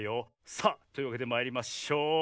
さあというわけでまいりましょう！